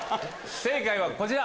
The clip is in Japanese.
正解はこちら。